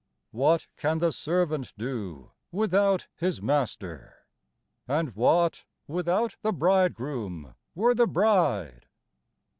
32 EASTER GLEAMS What can the servant do without his Master ? And what, without the Bridegroom, were the Bride